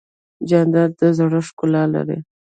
جانداد د زړه ښکلا لري.